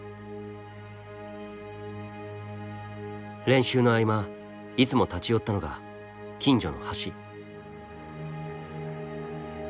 練習の合間いつも立ち寄ったのが近所の橋。